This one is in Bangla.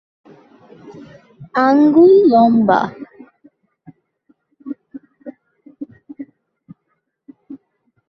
আঙুল লম্বা।